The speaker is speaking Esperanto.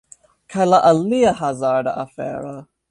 Kaj la alia hazarda afero...